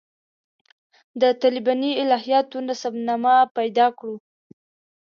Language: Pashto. د طالباني الهیاتو نسب نامه پیدا کړو.